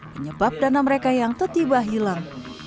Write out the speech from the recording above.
menyebabkan dana mereka yang tiba tiba hilang